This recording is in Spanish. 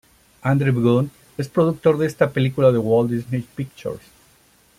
Andrew Gunn es productor de esta película de Walt Disney Pictures.